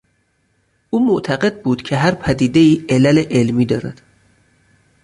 او معتقد بود که هر پدیدهای علل علمی دارد.